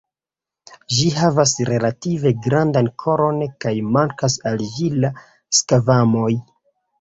Ĝi havas relative grandan koron kaj mankas al ĝi la skvamoj.